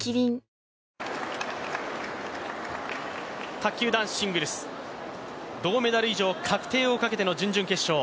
卓球男子シングルス銅メダル以上確定をかけての準々決勝。